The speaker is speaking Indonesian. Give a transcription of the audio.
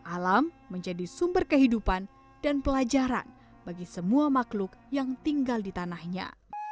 alam menjadi sumber kehidupan dan pelajaran bagi semua makhluk yang tinggal di tanahnya